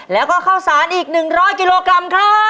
แล้วก็ข้าวสารอีก๑๐๐กิโลกรัมครับ